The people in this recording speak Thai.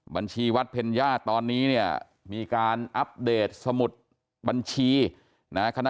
บัญชีวัดเพ็ญญาติตอนนี้เนี่ยมีการอัปเดตสมุดบัญชีนะ